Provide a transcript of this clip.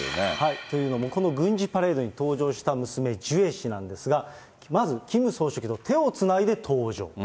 というのもこの軍事パレードに登場した娘、ジュエ氏なんですが、まずキム総書記と手をつないで登場。